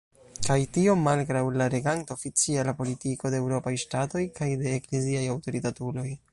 Kaj tio malgraŭ la reganta oficiala politiko de eŭropaj ŝtatoj kaj de ekleziaj aŭtoritatuloj.